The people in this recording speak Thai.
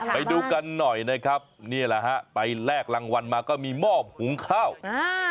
ไปดูกันหน่อยนะครับนี่แหละฮะไปแลกรางวัลมาก็มีมอบหุงข้าวอ่า